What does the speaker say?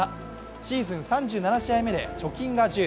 シーズン３７試合目で貯金が１０。